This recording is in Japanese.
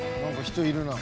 人いるな。